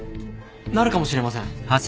なるかもしれません。